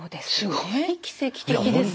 すごい奇跡的ですね。